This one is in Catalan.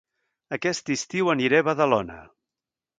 Aquest estiu aniré a Badalona